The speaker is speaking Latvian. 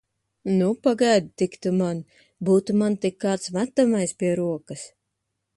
Nu, pagaidi tik tu man! Būtu man tik kāds metamais pie rokas!